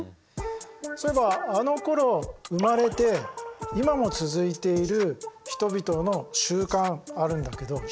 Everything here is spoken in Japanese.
そういえばあのころ生まれて今も続いている人々の習慣あるんだけど習君何だか分かるかな？